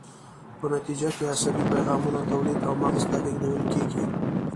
په نتیجه کې یې عصبي پیغامونه تولید او مغز ته لیږدول کیږي.